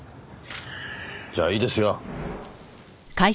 じゃあいいですよ。